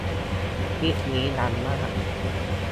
คลิปนี้ดังมาก